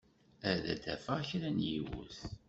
Ad d-afeɣ kra n yiwet.